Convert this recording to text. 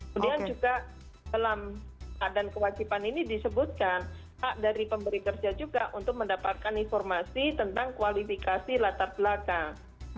kemudian juga dalam dan kewajiban ini disebutkan hak dari pemberi kerja juga untuk mendapatkan informasi tentang kualifikasi latar belakang